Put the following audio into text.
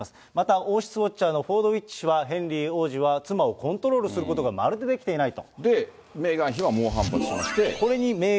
また報道ウォッチャーのフォードウィッチ氏は、ヘンリー王子は妻をコントロールすることがまるでできていないと。